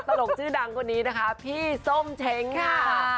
ตลกชื่อดังพี่ส้มเช้งค่ะ